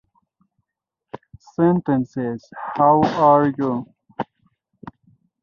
The Rush River is locally known as an excellent trout stream.